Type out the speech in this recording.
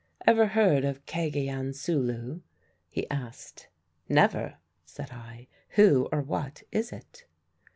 "Ever heard of Cagayan Sulu?" he asked. "Never," said I. "Who or what is it?"